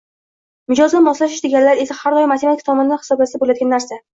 Mijozga moslashish deganlari esa doim matematik tomondan hisoblasa bo‘ladigan narsa.